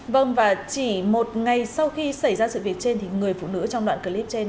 vâng và chỉ một ngày sau khi xảy ra sự việc trên thì người phụ nữ trong đoạn clip trên